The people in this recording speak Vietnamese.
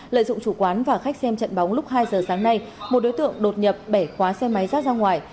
lợi dụng chủ quán và khách xem trận bóng lúc hai giờ sáng nay một đối tượng đột nhập bẻ khóa xe máy rác ra ngoài